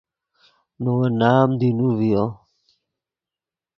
نے ون نام دینو ڤیو